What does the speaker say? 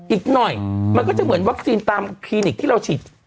อีกหน่อยมันก็จะเหมือนวัคซีนตามคลินิกที่เราฉีด